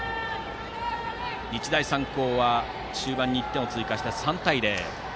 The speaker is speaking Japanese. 日大三高は中盤に１点を追加して３対０。